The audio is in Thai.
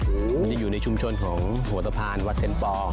มันจะอยู่ในชุมชนของหัวตภัณฑ์วัดเซ็นต์ปอล์